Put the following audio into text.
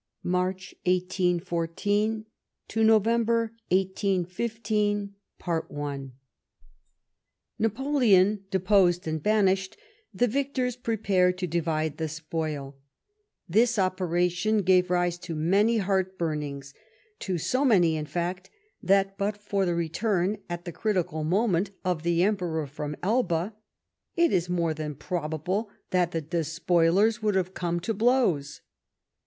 March, 1814, to November, 1815. Napoleon deposed and banished, the victors prepared to divide the spoiL This operation gave rise to many heart burnings; to so many, in fact, that but for the return at the critical moment of the Emperor from Elba, it is more than probable that the despoilers would have come to blows.